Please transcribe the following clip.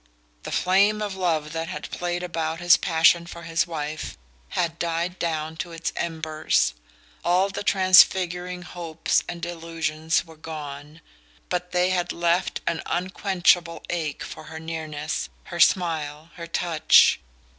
The flame of love that had played about his passion for his wife had died down to its embers; all the transfiguring hopes and illusions were gone, but they had left an unquenchable ache for her nearness, her smile, her touch.